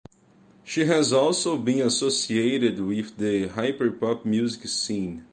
She has also been associated with the hyperpop music scene.